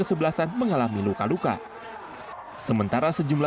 jadi nungguannya sampai berapa